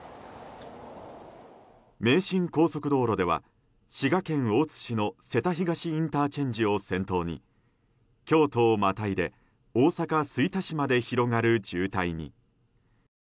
名神高速道路では滋賀県大津市の瀬田東ＩＣを先頭に京都をまたいで大阪・吹田市まで広がる渋滞に。